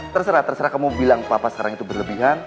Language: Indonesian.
terserah terserah kamu bilang papa sekarang itu berlebihan